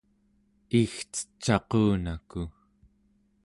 igcecaqunaku